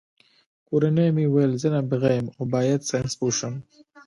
کورنۍ مې ویل زه نابغه یم او باید ساینسپوه شم